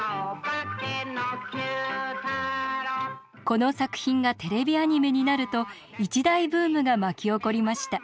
この作品がテレビアニメになると一大ブームが巻き起こりました。